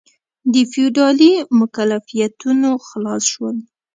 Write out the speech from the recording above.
د فیوډالي مکلفیتونو خلاص شول.